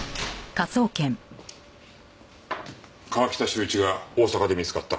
川喜多修一が大阪で見つかった。